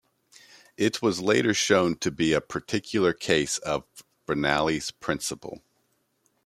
It was later shown to be a particular case of Bernoulli's principle.